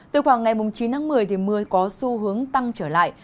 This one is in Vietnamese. từ khoảng ngày mùng chín đến một mươi mưa có xu hướng tăng trở lại